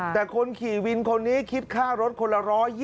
แต่คนขี่วินคนนี้คิดค่ารถคนละ๑๒๐